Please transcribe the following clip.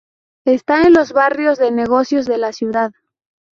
Esta en los barrios de negocios de la ciudad.